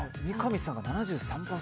三上さんが７３％。